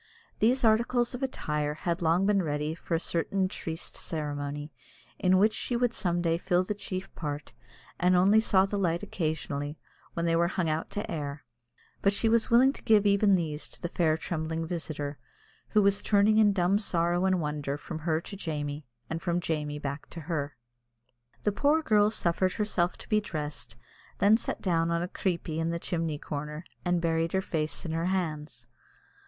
These articles of attire had long been ready for a certain triste ceremony, in which she would some day fill the chief part, and only saw the light occasionally, when they were hung out to air; but she was willing to give even these to the fair trembling visitor, who was turning in dumb sorrow and wonder from her to Jamie, and from Jamie back to her. The poor girl suffered herself to be dressed, and then sat down on a "creepie" in the chimney corner, and buried her face in her hands.